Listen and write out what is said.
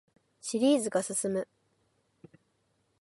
シリーズが進む